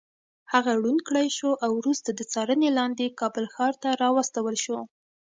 هغه ړوند کړی شو او وروسته د څارنې لاندې کابل ښار ته راوستل شو.